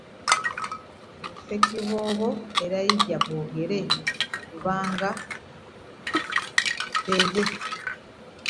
Ye Ssekiboobo Elijah Bogere Lubanga Mulembye,